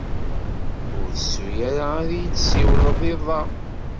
Ur tettu ara ad iyi-d-siwleḍ iḍ-a.